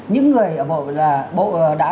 những người ở bộ